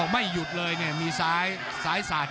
ภูตวรรณสิทธิ์บุญมีน้ำเงิน